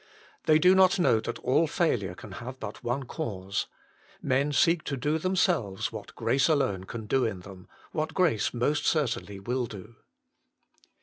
They do not know that all failure can have but one cause : Men seek to do themselves what grace alone can do in them, what grace most certainly will do.